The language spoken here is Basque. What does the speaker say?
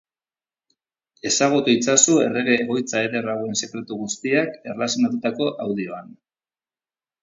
Ezagutu itzazu errege egoitza eder hauen sekretu guztiak erlazionatutako audioan.